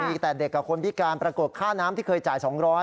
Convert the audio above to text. มีแต่เด็กกับคนพิการปรากฏค่าน้ำที่เคยจ่าย๒๐๐